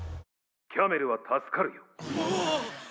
キャメルは助かるよ！